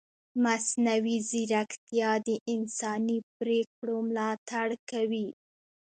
مصنوعي ځیرکتیا د انساني پرېکړو ملاتړ کوي.